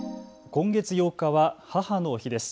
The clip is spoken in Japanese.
今月８日は母の日です。